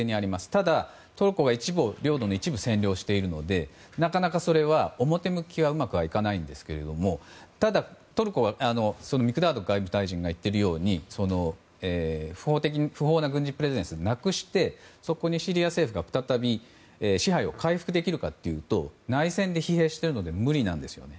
ただ、トルコは領土の一部を占領しているのでなかなかそれは表向きはうまくいかないんですがただ、トルコはメクダド外務大臣が言っているように不法な軍事的プレゼンスをなくしてそこにシリア政府が再び支配を回復できるかというと内戦で疲弊しているので無理なんですよね。